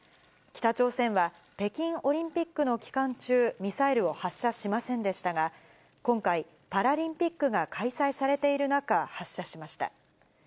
北朝鮮は、北京オリンピックの期間中、ミサイルを発射しませんでしたが、今回、パラリンピックが開催されている中、発射しました。